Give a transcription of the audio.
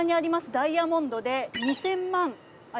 ダイヤモンドで２０００万円。